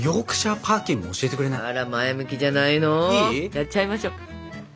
やっちゃいましょう。